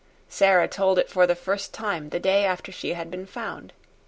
Sara told it for the first time the day after she had been found.